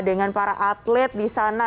dengan para atlet di sana